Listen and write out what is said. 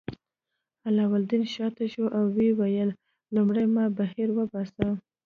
علاوالدین شاته شو او ویې ویل لومړی ما بهر وباسه.